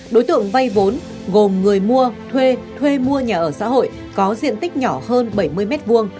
đối tượng vay vốn gồm người mua thuê thuê mua nhà ở xã hội có diện tích nhỏ hơn bảy mươi m hai